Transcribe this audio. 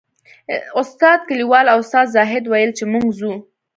استاد کلیوال او استاد زاهد ویل چې موږ ځو.